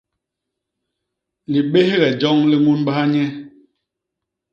Libéhge joñ li ñunbaha nye.